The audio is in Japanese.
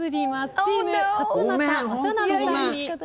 チーム勝俣渡辺さんに。